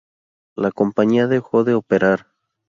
La compañía dejó de operar.